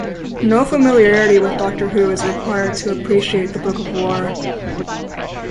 No familiarity with "Doctor Who" is required to appreciate "The Book of the War".